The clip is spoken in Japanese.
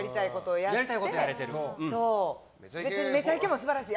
もちろん「めちゃイケ」も素晴らしい。